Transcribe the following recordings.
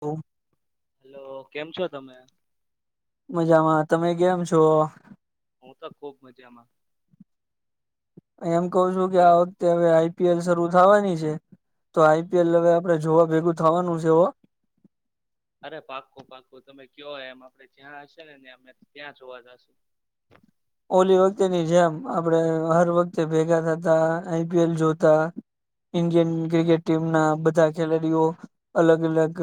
બો હેલો કેમ છો તમે. મજામાં તમે કેમ છો. હું તો ખુબ મજામાં. એમ કઉ છું કે તમે આ વખતે હવે આઈ પી એલ શરૂુ થવાની છે તો આઈપીએલ હવે આપડે જોવા ભેગું થવાનું છે હ. અરે પાકું પાકું તમે કયોય એમ આપડે જ્યાં હશે ને ને અમે ત્યાં જોવા જશુ. ઓલી વખતેની જેમ આપડ હર વખતે ભેગા થતા આઈ પી એલ જોતા ઇન્ડિયન ક્રિકેટ ટીમ ના બધા ખેલાડીઓ અલગ અલગ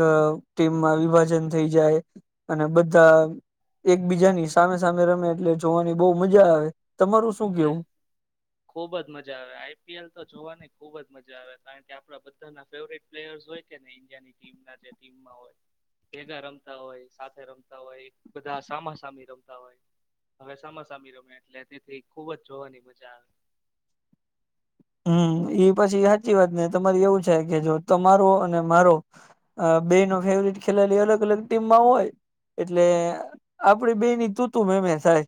ટીમમાં વિભાજન થઈ જાય અને બધા એકબીજાની સામે સામે રમે એટલે જોવાની. બહુ મજા આવે. તમારું શું અ કેવું ખુબજ મજા આવે આઈ પી એલ તો જોવાની ખુબજ મજા. આવે કારણ કે આપડા બધા ફેવરટ પ્લેયર્સ હોય કેને ઇન્ડિયાની ટીમ ના જે ટીમમાં હોય તેગ રમતા હોય સાથે રમતા હોય બધા સામા સામી રમતા હોય હવે સામા સામી રમે એટલે તેથી ખુબ જ જોવાની મજા આવે. હમ્મ એ પછી સાચી વાત ને તમારે એવું થ કે જો તમારો અને મારો બે ન ફેવરટ ખેલાડી અલગ અલગ ટીમમાં હોય એટલે આપડી બે ની તૂતું મેમે થાય.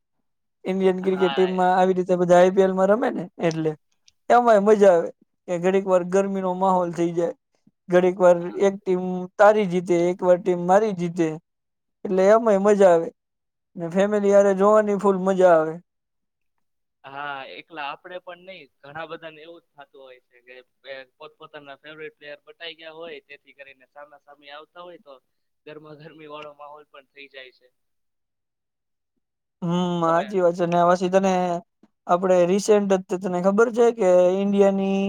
ઈન્ડિયન ક્રિકેટ ટીમમાં હા આવી રીતે બધા. ખેલ માં રમે ને એટલે. એમાંય મજા આવે કે ઘડીક વાર ગરમી નો માહોલ થઈ જાય. ગડીક પરર એક ટીમ તારી જીતે એકવાર ટીમ મારી જીતે એટલે અમે મજા આવે ફેમિલીરે જોવાની ફૂલ મજા આવે. હા એકલા આપડે પણ નહી ઘણા બધાને એવું જ થતું હોય છે કે પોતપોતાના ફેવરટ પ્લેયર બતા ગયા હોય તેથી કરીને સામે સામે આવતા હોય તો ગરમા ગરમી વાળો માહોલ પણ થઈ જાય છે. હમ તમે આજી વાત નેવા સીધા ને આપણેે રિસેન્ટ અત તને ખબર છે કે ઈન્ડિયાની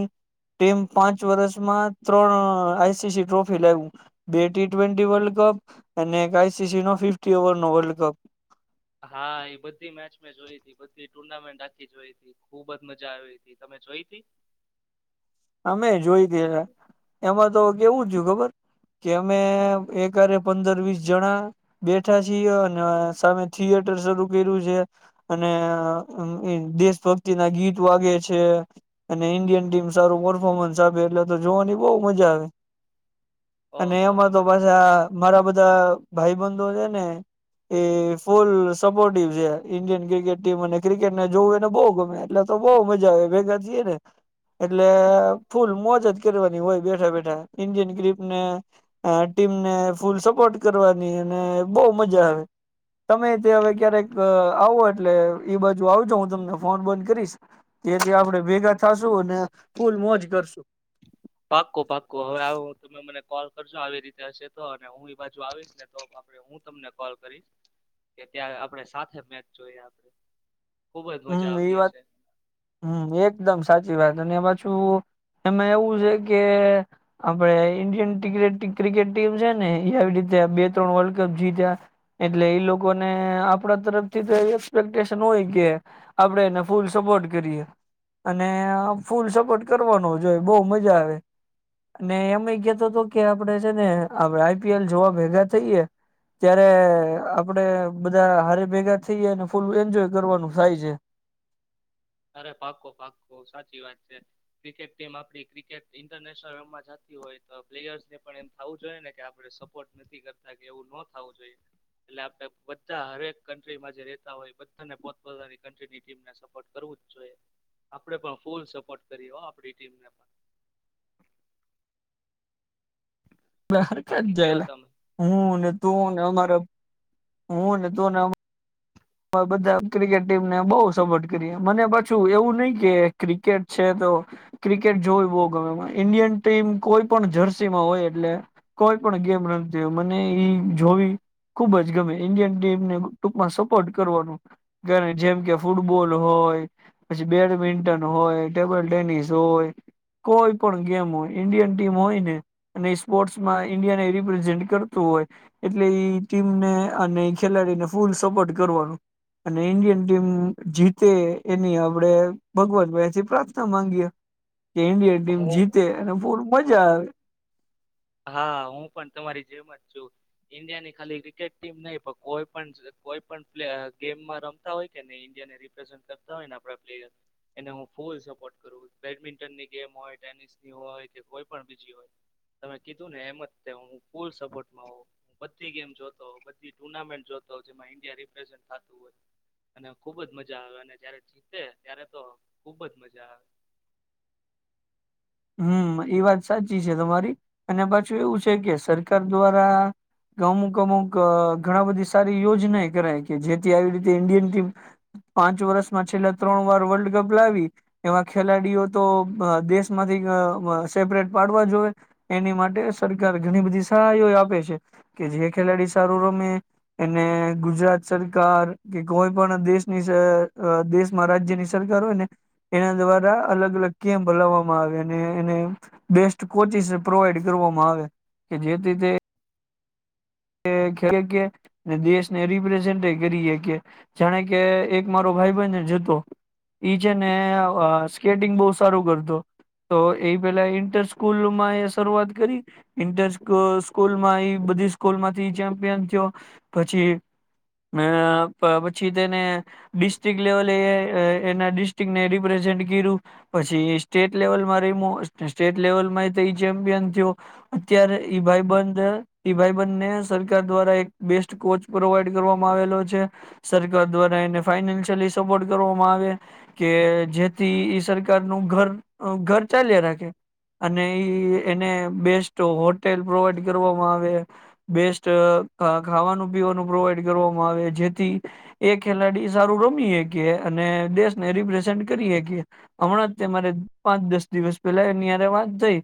ટીમ પાંચ વર્ષમાં ત્રણ આઈસીસી ટ્રોફી લાવ્યું. બે ટી ટ્વેન્ટી વર્લ્ડ કપ અને એક આઈસીસી નો ફિફી ઓવર નો વર્લ્ડ કપ. હા એ બધી મેચ મેં જોઈ ત બધી ટુર્નામેન્ટ આખી જોઈ તી ખુબ જ મજા આવી ત તમે જોઈ તી? અમે જોઈ દ એમાં તો કેવું છું ખબર કે અમે એકારે પંદર વીસ જણા બેઠા છીએ અને સામે થિયેટર શરૂ કર્યું છે. અને દેશ ભક્તિ ના ગીત વાગે છે, અને ઇન્ડિયન ટીમ સારું પફોર્મન્સ આપે એટલે તો જોવાની બહ મજા આવે. અને ઓહો એમાં તો તમે પાછા મારા બધાં ભાઈ બંધો છે, ને એ ફૂલ સપોર્ટિવ છે ઇન્ડિયન ક્રિકેટ ટીમ અને ક્રિકેટને જોવને બહુ ગમે. એટલે તો બહ મજા આવે ભેગા થએ ને એટલે ફૂલ મોજજ કરવાની હોય બેઠા બેઠા. ઈન્ડિયન ક્રીપને ટીમને ફૂલ સપોર્ટ કરવાની અને બહ મજા આવે. તમે તે હવે ક્યારેક આવો એટલે એ બાજુ આવજો હું તમને ફોન બોન‌ કરીશ જેથી આપણે ભેગા થાસુ હોને. પાકુ પાકુ હવે આવ ત મને કોલ કરજો આવી રીતે હશે તો અને હું એ બાજુ આવીશ ને તો આપ હું તમને કોલ કરીશ કે ત્યાં આપણે સાથે મેચ જોઈ આપ હમ એ વાત હમ એકદમ સાચી. થી વાત અને પાછું એમાં એવું છે કે આપણે ઈન્ડિયન ક્રિકેટ ટીમ છે, ને એ આવી રીતે બે, ત્રણ વર્લ્ડ કપ જીત્યા એટલે એ લોકોને આપડા તરફથી તો એક્સપેક્ટેશન હોય કે આપડે એને ફૂલ સપોર્ટ કરીએ અને ફૂલ સપોર્ટ કરવાનો જોય બહુ મજા આવે અને એમય કેતો તો કે આપડે છે ને આપ આઈપીએલ જોવા ભેગા થઈયે ત્યારે આપડે બધા હ ભેગા થઈ જાય ને ફૂલ એન્જોય કરવાનું. થાય છે. અરે પાકો પાકો સાચી વાત છે. ક્રિકેટ ટીમ આપડી ક્રિકેટ ઇન્ટરનેશનલમાં જતી હોય તો પ્લેયર્સ ને પણ એમ થવું જોઈએ ને કે આપડે સપોર્ટ નથી કરતા કે એવું ન થું જોઈએ. એટલે આપડે બધા હરેક કન્ટ્રીમાં જે રેતા હોય બધાને પોતપતાની કની ટીમને સપોર્ટ કરવું જોઈએ આપડે ‌ પણ ફૂલ સપોર્ટ કરી આપડી ટીમને પણ. બાહર કત બાકી કયો જાયલા તમે હું ને તું ને અમારો હું ને તું ને હમા માં બધા ક્રિકેટ ટીમને બહુ સપોર્ટ કરીએ. મને પાછું એવું નહી કે ક્રિકેટ છે તો ક્રિકેટ જોવી બહુ ગમે ઈન્ડિયન ટીમ કોઈ પણ જર્સીમાં હોય એટલે કોઈ પણ ગેમ રમતી હોય મને એઈ જોવી ખુબ જ ગમે ઈન્ડિયન ટીમને ટૂંકમાં સપ પોર્ટ કરવાનું. જ્યારે જેમ કે ફૂટબોલ હોય પછી બેડમિન્ટન હોય ટેબલ ટેનિસ હોય કોઈ પણ ગેમ હોય ઈન્ડિયન ટીમ હોય ને અને સ્પોર્ટ્સમાં ઈન્ડિયાને રિપ્રેઝન્ટ કરતું હોય એટલે ટીમને અને ખેલાડીને ફૂલ સપોર્ટ કરવાનું. અને ઇન્ડિયન ટીમ જીતે એની આપડે ભગવાન ભાઈ થી પ્રાર્થના માંગીએ. કે ઇન્ડિયા ટીમ હું જીતે અને બહુ મજા આવે. હા, હું પણ તમારી જેમ જ છું ઈન્ડિયાની ખાલી ક્રિકેટ ટીમ નહી પણ કોઈ પણ કોઈ પણ પ્લે અહ ગેમમાં રમતા હોય કેને ઈન્ડિયાને રિપ્રેઝન્ટ કરતા હોય ને આપણા પ્લેયર એને હું ફૂલ સપોર્ટ કરું. બેડમિન્ટનની ગેમ હોય ટેનિસની હોય કે કોઈ પણ બીજી હોય. તમે કીધું ને એમ જ હું ફૂલ સપોર્ટમાં હું બધી ગેમ જોતો બધી ટુર્નામેન્ટ જોતો જેમાં ઈન્ડિયા રિપ્રેઝન્ટ થતું હોય અને ખુબ જ મજા આવે અને જયારે જીતે ત્યારે તો ખુબ જ મજા આવે. હમ્મ, એ વાત સાચી છે તમારી અને પાછું એવું છે કે સરકાર દ્વારા અમુક અમુક અહ ઘણા બધી સારી યોજના એ કરાય કે, જેથી આવી રીતે ઇન્ડિયન ટીમ પાંચ વર્ષમાં છેલ્લા ત્રણ વાર વર્લ્ડ કપ લાવી એવા ખેલાડીઓ તો અહ દેશ માંથી ગ અહ સેપરેટ પાડવા જોએ એની માટે સરકાર ઘણી બધી સહાયો આપે છે. કે જે ખેલાડી સારું રમે એને ગુજરાત સરકાર કે કોઈ પણ દેશની દેશમાં જ અહ રાજ્યની સરકાર હોય ને એના દ્વારા અલગ અલગ કેમ્પ બલાવા માં ગેને એને બેસ્ટ કોચિસ પ્રોવાઈડ કરવામાં આવે કે જેથી તે એ ખેલ કે દેશને રિપ્રેઝન્ટ કરીએ કે જાણે કે એક મારો ભાઈ બન જતો છે ને અહ સ્કેટિંગ બહુ સારું કરતો તો એ પેલા ઈન્ટર સ્કૂલમાં એ શરૂઆત કરી ઇન્ટર સ્કૂ-સ્કૂલમાં બધી સ્કૂલ માંથી ચેમ્પિયન થયો પછી અહ પછી તેને ડિસ્ટ્રિક લેવલે એનાિસ્ટ્રને રિપ્રેઝન્ટ કર્યું પછી સ્ટેટ લેવલમાં રેમો સ્ટેટ લેવલમાં ચેમ્પિયન થયો અત્યારે ઈ ભાઈ બંધ ઈ ભાઈ બને સરકાર દ્વારા એક બેસ્ટ કોચ પ્રોવાઈડ કરવામાં આવેલો છે. સરકાર દ્વારા એને ફાઈનાન્શયલી સપોર્ટ કરવામાં આવે કે જેથી ઈ સરકાર નું ઘર અહ ઘર ચાલ્યા રાખે અને ઈ એને બેસ્ટ હોટેલ પ્રોવાઈડ કરવામાં આવે બેસ્ટ અહ અહ ખાવાનું પીવાનું પ્રોવાઈડ કરવામાં આવે જેથી એ ખેલાડી સારું રમીએ કે અને દેશને રિપ્રેઝન્ટ કરીએ કે હમણાં જરે પાંચ દસ દિવસ પેલાની વાત થઈ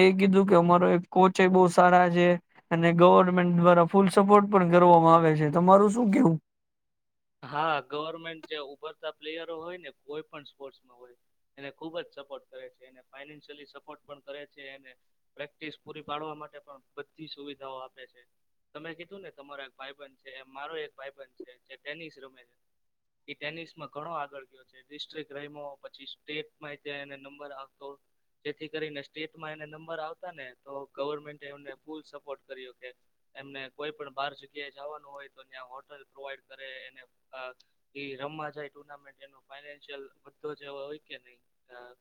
એ કીધું કે અમારો એક કોચ બહુ સારા છે અને ગવર્મેન્ટ દ્વારા ફૂલ સપોર્ટ પણ કરવામાં આવે છે. તમારું શું કેવું? હા. ગવર્મેન્ટ જે ઉભરતા પ્લેયરો હોય ને કોઈ પણ સ્પોર્ટસમાં હોય, એને ખુબ જ સપોર્ટ કરે છે, એને ફાઈનાન્શયલી સપોર્ટ પણ કરે છે અને પ્રેક્ટિસ પૂરી પાડવા માટે પણ બધી સુવિધાઓ આપે છે, તમે કીધું ને તમારો એક ભાઈબંધ છે, એમ મારોય એક ભાઈબંધ છે જે ટેનિસ રમે છે, ઈ ટેનિસમાં ઘણો આગળ ગયો છે, ડિસ્ટ્રિક રયમો, પછી સ્ટેટમાં એય ત્યાં એને નંબર આવતો, જેથી કરીને સ્ટેટમાં એને નંબર આવતા ને તો ગવર્મેન્ટ એમને ફૂલ સપોર્ટ કર્યો કે એમને કોઈ પણ બાર જગ્યાએ જાવાનું હોય તો ત્યાં હોટલ પ્રોવાઈડ કરે એને [unintelligible] ઈ રમવા જાય ટુર્નામેન્ટ એનું ફાઈનાન્શિયલ બધો જેવો હોય કે નહીં, અહ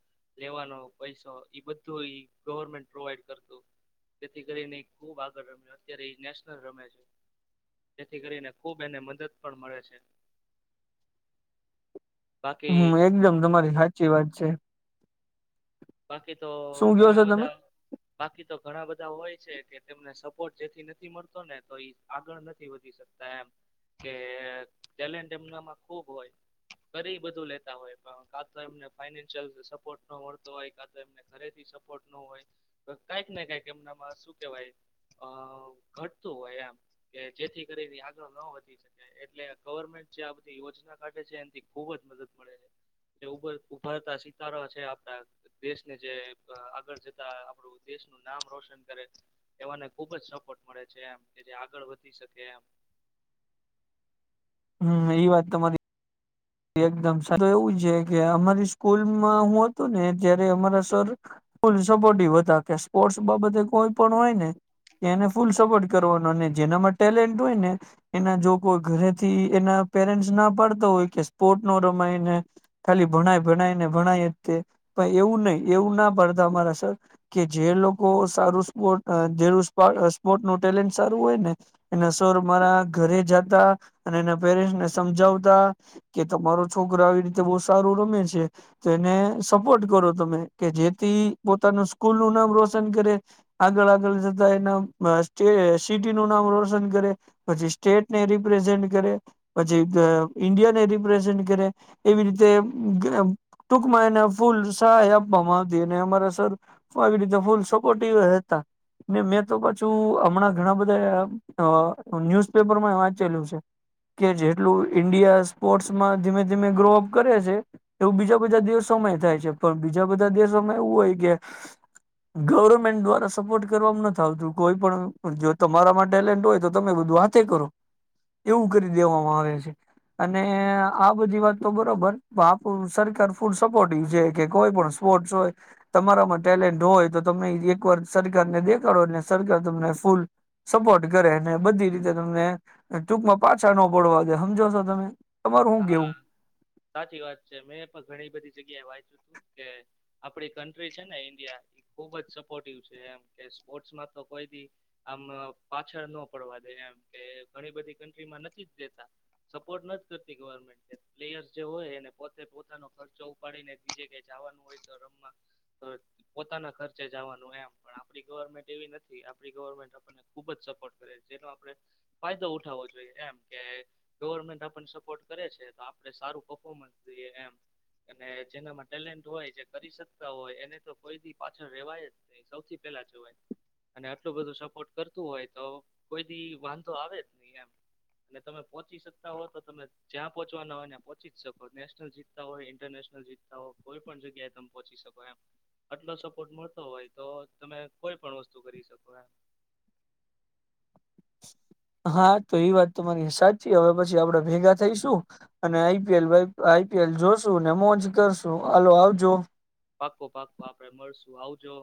લેવાનો પૈસો ઈ બધું ગવર્મેન્ટ ઈ પ્રોવાઈડ કરતું, જેથી કરીને એ ખુબ આગળ રમ્યો, અત્યારે ઈ નેશનલ રમે છે. જેથી કરીને ખૂબ એને મદદ પણ મળે છે. બાકી હમ્મ, એકદમ તમારી હાચી વાત છે. બાકી તો શું કયો ઘણા, છો બધા તમે બાકી તો ઘણા બધ બધા હોય છે કે તેમને સપોર્ટ જેથી નથી મળતો ને તો ઈ આગળ નથી વધી શકતા એમ, કે ટેલેન્ટ એમનામાં ખુબ હોય, કરીઈ બધું લેતા હોય પણ કા તો એમને ફાઈનાન્શિયલ સપોર્ટ ન મળતો હોય કાં તો એમને ઘરેથી સપોર્ટ ન હોય, તો કાંઈક ને કાંઈક એમનામાં શું કેવાય અહ ઘટતું હોય એમ, કે જેથી કરીને એ આગળ ન વધી શકે એટલે ગવર્મેન્ટ જે આ બધી યોજના કાઢે છે એનથી ખુબ જ મદદ મળે છે. કે ઊભર ઉભરતા સિતારો છે આપડા દેશને જે આગળ જતા આપણું દેશનું નામ રોશન કરે, એવાને ખુબ જ સપોર્ટ મળે છે એમ, કે જે આગળ વધી શકે એમ. હમ્મ, ઈ વાત તમારી એકદમ [unintelligible] એવું છે કે આ અમારી સ્કૂલમાં હું હતું ને ત્યારે અમારા સર ફૂલ સપોર્ટિવ હતા કે સ્પોર્ટસ બાબતે કોઈ પણ હોય ને તે એને ફૂલ સપોર્ટ કરવાનો, અને જેનામાં ટેલેન્ટ હોય ને એના જો કોઈ ઘરેથી એના પેરેન્ટસ ના પાડતો હોય કે સ્પોટ ન રમાયને ખાલી ભણાય-ભણાયને ભણાય જ તે, પણ એવું નહીં, એવું ના પાડતા અમારા સર કે જે લોકો સારું સ્પોર્ટ [unintelligible] સ્પોર્ટ નું ટેલેન્ટ સારું હોય ને એને સર મારા ઘરે જાતા, અને એના પેરેન્ટને સમજાવતા કે તમારો છોકરો આવી રીતે બહુ સારું રમે છે, તો એને સપોર્ટ કરો તમે, કે જેથી પોતાનું સ્કૂલ નું નામ રોશન કરે, આગળ-આગળ જતા એના અહ સ્ટેએ સિટી નું નામ રોશન કરે, પછી સ્ટેટને રિપ્રેઝેન્ટ કરે પછી અહ ઈન્ડિયાને રિ પેઝન્ટ કરે, એવી રીતે ટૂંકમાં એને ફૂલ સહાય આપવામાં આવતી, અને અમારા સર આવી રીતે ફૂલ સપોર્ટિવ એય હતા. ને મેં તો પાછું હમણાં ઘણા બધા અહ ન્યુઝપેપરમાંય વાંચેલું છે, કે જેટલું ઈન્ડિયા સ સ્પોર્ટમાં ધીમે-ધીમે ગ્રોઅપ કરે છે, એવું બીજા બધાય દેશો થાય છે પણ બીજા બધા દિવસોમાં એવું હોય કે ગવર્મેન્ટ દ્વારા સપોર્ટ કરવામાં નથ આવતું, કોઈ પણ જો તમારામાં ટેલેન્ટ હોય તો તમે બધું હાથે કરો, એવું કરી દેવામાં આવે છે. અને આ બધી વાત તો બરોબર, પણ આપણું સરકાર ફૂલ સપોર્ટિવ છે કે કોઈ પણ સ્પોર્ટસ હોય, તમારામાં ટેલેન્ટ હોય તો તમે ઈ એક વાર સરકારને દેખાડો ને, સરકાર તમને ફૂલ સપોર્ટ કરે અને બધી રીતે તમને ટૂંકમાં પાછા ન પડવા દે હમજો છો તમે. તમારું હું કેવું હા, સાચી વાત છે. મેં પણ ઘણી બધી જગ્યાએ વાંયચુ કે આપડી કન્ટ્રી છે ને ઈન્ડિયા એ ખુબ જ સપોર્ટિવ છે એમ, કે સ્પોર્ટસમાં તો કોઈ ભી આમ પાછળ ન પડવા દે એમ, કે ઘણી બધી કન્ટ્રીમાં નથી જ દેતા, સપોર્ટ નથ [unintelligible] પ્લેયરસ જે હોય એને પોતે પોતાનો ખર્ચો ઉપાડીને બીજે ક્યાંય જવાનું હોય તો રમવા, તો પોતાના ખર્ચે જવાનું એમ, પણ આપડી ગવર્મેન્ટ એવી નથી, આપડી ગવર્મેન્ટ આપણને ખુબ જ સપોર્ટ કરે, જેનો આપણે ફાયદો ઉઠાવો જોઈએ એમ, કે ગવર્મેન્ટ આપને સપ પોર્ટ કરે છે તો આપડે સારું પફોર્મન્સ દઈએ એમ, અને જેનામાં ટેલેન્ટ હોય, જે કરી શકતા હોય એને તો કોઈ દી પાછળ રેવાય જ નહીં, સૌથી પેલા જવાય. અને આટલું બધું સપોર્ટ કરતું હોય તો કોઈ દી વાંધો આવે જ નહીં એમ, અને તમે પહોંચી શકતા હો તો તમે જ્યાં પહોંચવાના હોય ન્યાં પહોંચી જ શકો, નેશનલ જીતતા હોય, ઇન્ટરનેશનલ જીતતા હો, કોઈ પણ જગ્યાએ તમે પહોંચી શકો એમ. આટલો સપોર્ટ મળતો હોય તો તમે કોઈ પણ વસ્તુ કરી શકો એમ. હા તો ઈ વાત તમારી સાચી. હવે પછી આપડે ભેગા થઈશું, અને આઈ પી એલ વાઈ આઈ પી એલ જોશું, ને મોજ કરશું. હાલો આવજો. પાક્કો પાક્કો આપડે મળશું આવજો.